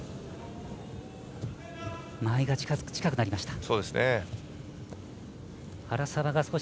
間合いが近くなりました。